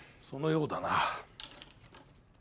そのようだな。